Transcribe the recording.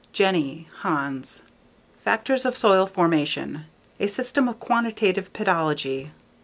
Jenny, Hans. _Factors of Soil Formation: a System of Quantitative Pedology.